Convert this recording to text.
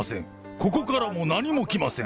ここからも何も来ません。